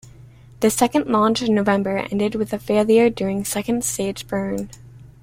The second launch in November ended with a failure during second stage burn.